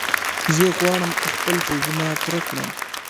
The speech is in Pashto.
زه غواړم خپل خوبونه پوره کړم.